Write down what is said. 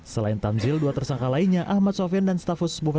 selain tanzil dua tersangka lainnya ahmad sofian dan stafus